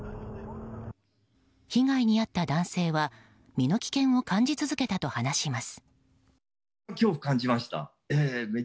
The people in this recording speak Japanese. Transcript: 被害に遭った男性は身の危険を感じ続けたと話します。